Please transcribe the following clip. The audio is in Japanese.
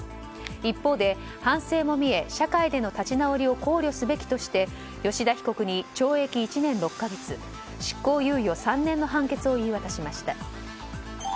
一方で反省も見え社会での立ち直りを考慮すべきとして吉田被告に懲役１年６か月執行猶予３年の判決を言い渡しました。